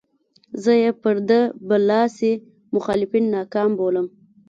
زه یې پر ده برلاسي مخالفین ناکام بولم.